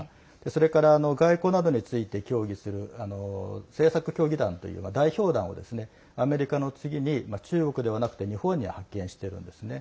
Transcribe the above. それから外交などについて協議する政策協議団という代表団をアメリカの次に中国ではなくて日本に派遣しているんですね。